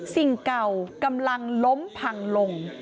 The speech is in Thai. สิ่งเก่ากำลังล้มพังลง